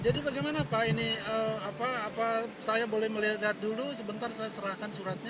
jadi bagaimana pak ini apa apa saya boleh melihat dulu sebentar saya serahkan suratnya